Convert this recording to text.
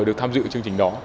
được tham dự chương trình đó